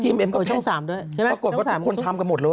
กดช่อง๓ด้วยใช่ไหม